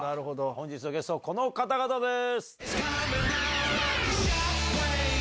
本日のゲスト、この方々です。